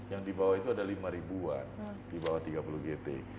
yang di bawah itu ada lima ribuan di bawah tiga puluh gt